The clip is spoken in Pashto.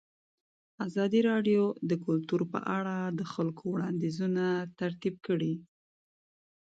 ازادي راډیو د کلتور په اړه د خلکو وړاندیزونه ترتیب کړي.